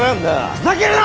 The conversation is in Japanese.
ふざけるな！